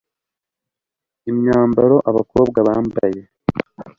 imyambaro abakobwa bambaye